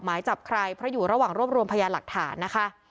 หมายจับใครเพราะอยู่ระหว่างรวบรวมพยานหลักฐานนะคะ